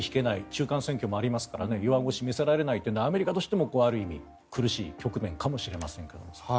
中間選挙もありますから弱腰を見せられないというアメリカとしても、ある意味苦しい局面かもしれません。